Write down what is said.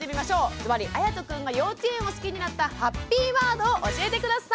ズバリあやとくんが幼稚園を好きになったハッピーワードを教えて下さい。